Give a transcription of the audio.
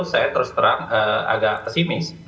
saya terus terang agak pesimis